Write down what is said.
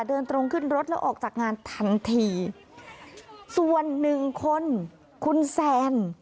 เดินตรงขึ้นรถแล้วออกจากงานทันทีส่วนหนึ่งคนคุณแซน